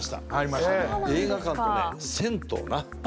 映画館とね銭湯な。